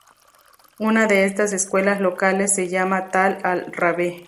Una de estas escuelas locales se llama Tal al-Rabee.